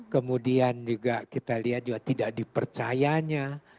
kemudian juga kita lihat juga tidak dipercayanya